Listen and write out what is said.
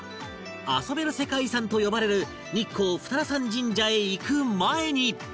遊べる世界遺産と呼ばれる日光二荒山神社へ行く前に